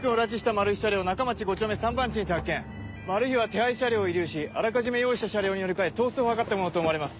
マルヒは手配車両を遺留しあらかじめ用意した車両に乗り換え逃走を図ったものと思われます。